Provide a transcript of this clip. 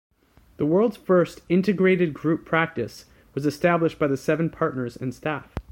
The world's first "integrated group practice" was established by the seven partners and staff.